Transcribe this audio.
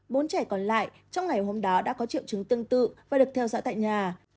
bốn trẻ còn lại trong ngày hôm đó đã có triệu chứng tương tự và được theo dõi tại nhà